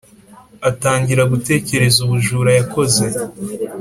atangira gutekereza ubujura yakoze,